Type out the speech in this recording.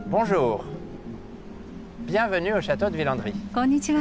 こんにちは。